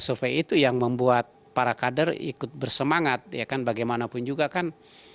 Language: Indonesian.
survei itu yang membuat para kader ikut bersemangat ya kan bagaimanapun juga kan